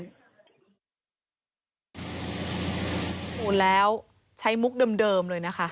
เขาก็สมมุติแล้วใช้มุกเดิมเลยนะคะ